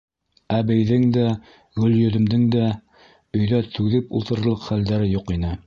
Әбейҙең дә, Гөлйөҙөмдөң дә өйҙә түҙеп ултырырлыҡ хәлдәре юҡ ине.